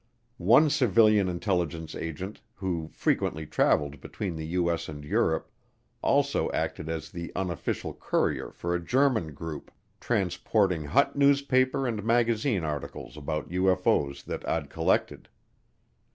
One civilian intelligence agent who frequently traveled between the U.S. and Europe also acted as the unofficial courier for a German group transporting hot newspaper and magazine articles about UFO's that I'd collected.